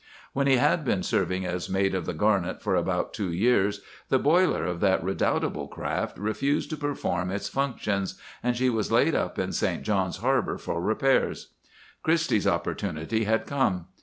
"When he had been serving as mate of the Garnet for about two years, the boiler of that redoubtable craft refused to perform its functions, and she was laid up in St. John's harbor for repairs. "Christie's opportunity had come.